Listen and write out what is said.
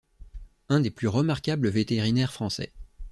Un des plus remarquables vétérinaires français.